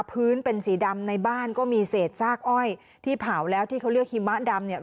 พื้นเป็นสีดำในบ้านก็มีเศษซากอ้อยที่เผาแล้วที่เขาเลือกหิมะดำเนี่ย